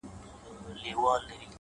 يو ما و تا-